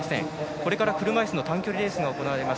これから車いすの短距離レースが行われます。